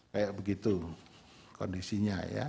kayak begitu kondisinya ya